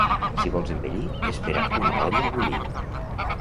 Si vols envellir, espera una olla a bullir.